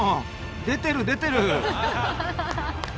出てる出てる！